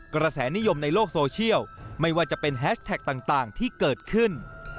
กระแสนิยมในโลกโซเชียลไม่ว่าจะเป็นแฮชแท็กต่างที่เกิดขึ้น